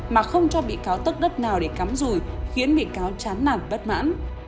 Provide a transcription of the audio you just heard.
mà không cho bị cáo tức đất nào để cắm rùi khiến bị cáo chán nản bất mãn